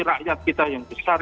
rakyat kita yang besar